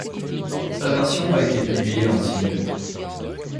Sa version a été publié en single.